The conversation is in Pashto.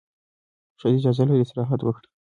ښځه اجازه لري استراحت وکړي.